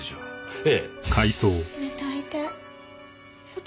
ええ。